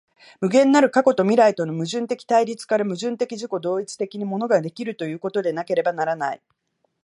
無限なる過去と未来との矛盾的対立から、矛盾的自己同一的に物が出来るということでなければならない。